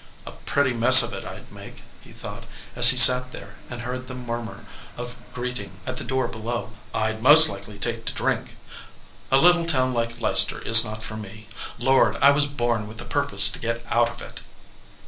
"A pretty mess of it I d make," he thought, as he sat there and heard the murmur of greeting at the door below. "I d most likely take to drink. A little town like Leicester is not for me. Lord ! I was born with the purpose to get out of it."